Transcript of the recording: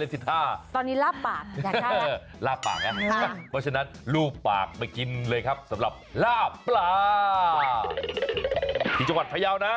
ที่จังหวัดพยาวนะ